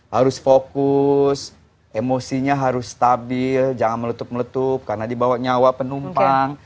harus fokus emosinya harus stabil jangan meletup meletup karena dibawa nyawa penumpang